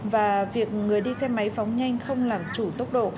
và việc người đi xe máy phóng nhanh không làm chủ tốc độ